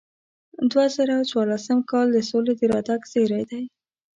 دوه زره څوارلسم کال د سولې د راتګ زیری دی.